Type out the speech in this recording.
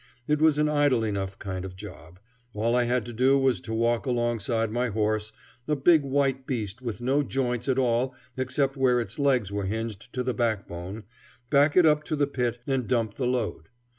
It was an idle enough kind of job. All I had to do was to walk alongside my horse, a big white beast with no joints at all except where its legs were hinged to the backbone, back it up to the pit, and dump the load.